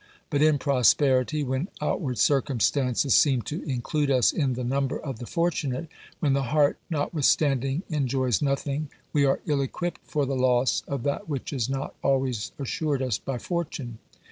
— But in prosperity, when outward cir cumstances seem to include us in the number of the fortunate, when the heart notwithstanding enjoys nothing, we are ill equipped for the loss of that which is not always assured us by fortune.